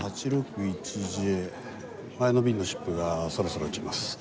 前の便のシップがそろそろ来ます。